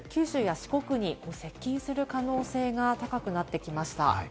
九州や四国に接近する可能性が高くなってきました。